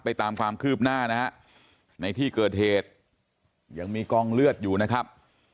ตามความคืบหน้านะฮะในที่เกิดเหตุยังมีกองเลือดอยู่นะครับ